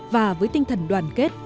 và với tinh thần đoàn kết